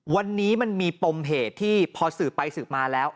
วันนี้มันมีปมเหตุที่พอสืบไปสืบมาแล้ว